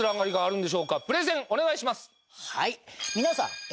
皆さん